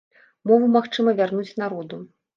Мову магчыма вярнуць народу.